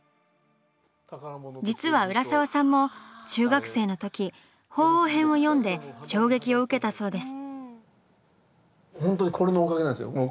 実は浦沢さんも中学生のとき「鳳凰編」を読んで衝撃を受けたそうです。